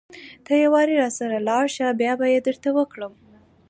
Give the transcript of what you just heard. ته يوارې راسره لاړ شه بيا به يې درته وکړم.